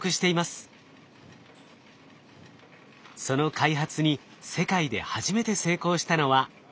その開発に世界で初めて成功したのは日本の企業です。